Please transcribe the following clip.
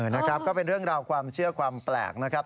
นะครับก็เป็นเรื่องราวความเชื่อความแปลกนะครับ